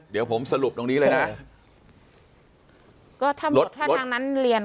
เดี๋ยวผมสรุปตรงนี้เลยนะก็ถ้าหมดถ้าทางนั้นเรียน